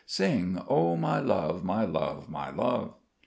Sing O, my love, my love, my love....